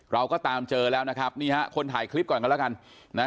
เราก็ตามเจอแล้วนะครับนี่ฮะคนถ่ายคลิปก่อนกันแล้วกันนะฮะ